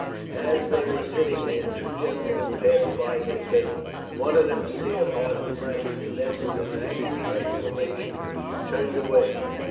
As they were sitting there, two gentlemen passed by their table. One of them stared hard at Frank, and then with an angry exclamation turned away.